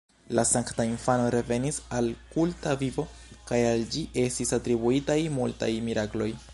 La Sankta Infano revenis al kulta vivo kaj al ĝi estis atribuitaj multaj mirakloj.